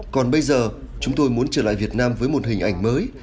còn bây giờ chúng tôi muốn trở lại việt nam với một hình ảnh mới